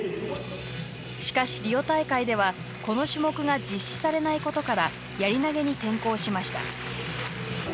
しかしリオ大会ではこの種目が実施されないことからやり投げに転向しました。